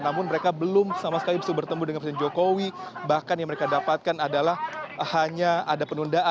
namun mereka belum sama sekali bersama dengan presiden jokowi bahkan yang mereka dapatkan adalah hanya ada penundaan penundaan sebenarnya tidak ada kejelasan seperti itu